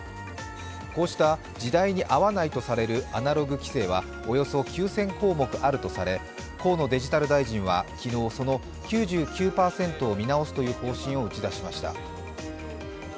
こうした、時代に合わないとされるアナログ規制はおよそ９０００項目あるとされ河野デジタル大臣は昨日、その９９％を見直すという方針を打ち出しました。